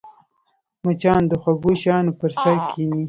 مچان د خوږو شیانو پر سر کښېني